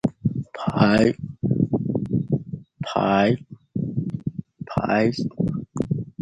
The simple act of storytelling can engage audiences and create positive social change.